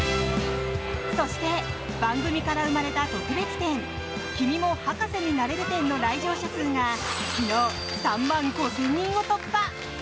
そして、番組から生まれた特別展君も博士になれる展の来場者数が昨日、３万５０００人を突破！